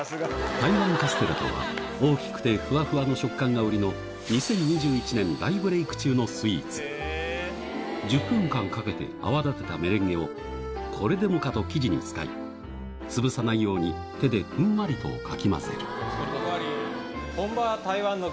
台湾カステラとは大きくてふわふわの食感が売りの２０２１年１０分間かけて泡立てたメレンゲをこれでもかと生地に使いつぶさないように手でふんわりとかき混ぜるふんわり！